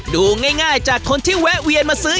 ดูง่ายจากคนที่แวะเวียนมาซื้อ